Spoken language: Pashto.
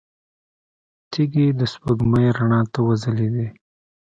تيږې د سپوږمۍ رڼا ته وځلېدې.